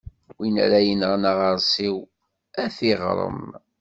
Win ara yenɣen aɣeṛsiw, ad t-iɣrem.